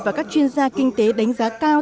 và các chuyên gia kinh tế đánh giá cao